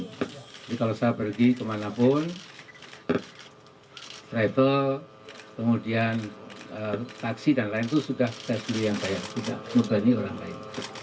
jadi kalau saya pergi kemanapun travel kemudian taksi dan lain itu sudah saya sendiri yang bayar tidak memubani orang lain